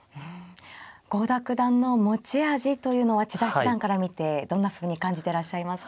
郷田九段の持ち味というのは千田七段から見てどんなふうに感じてらっしゃいますか。